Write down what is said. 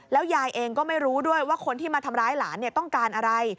ยายเองก็ไม่รู้ด้วยว่าคนที่มาทำร้ายหลานต้องการอะไร